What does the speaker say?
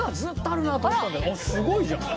あっすごいじゃん！